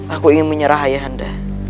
aku ingin menyerah ayahanda